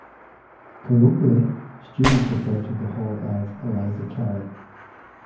Colloquially, students refer to the hall as "Eliza Kelly".